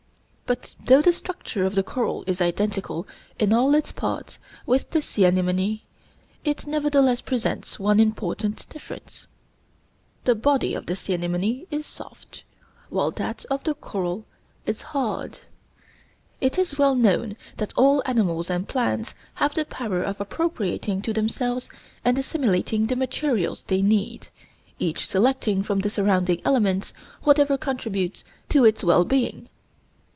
But though the structure of the coral is identical in all its parts with the sea anemone, it nevertheless presents one important difference. The body of the sea anemone is soft, while that of the coral is hard. It is well known that all animals and plants have the power of appropriating to themselves and assimilating the materials they need, each selecting from the surrounding elements whatever contributes to its well being.